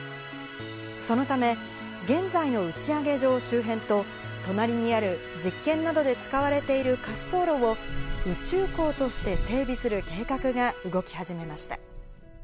そのため、現在の打ち上げ場周辺と、隣にある実験などで使われている滑走路を、宇宙港として整備する計画が動き始めました。